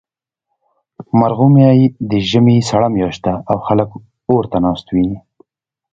مرغومی د ژمي سړه میاشت ده، او خلک اور ته ناست وي.